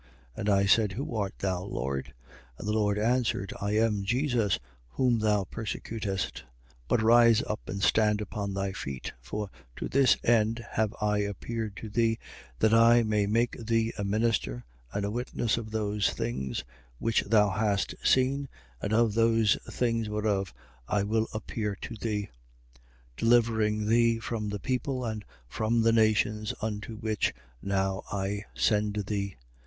26:15. And I said: Who art thou, Lord? And the Lord answered: I am Jesus whom thou persecutest. 26:16. But rise up and stand upon thy feet: for to this end have I appeared to thee, that I may make thee a minister and a witness of those things which thou hast seen and of those things wherein I will appear to thee, 26:17. Delivering thee from the people and from the nations unto which now I send thee: 26:18.